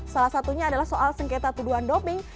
salah satunya adalah soal sengketa tuduhan doping